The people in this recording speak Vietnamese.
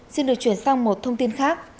xin được chuyển sang một thông tin khác